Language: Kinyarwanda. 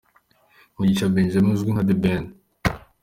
Mugisha Benjamin uzwi nka The Ben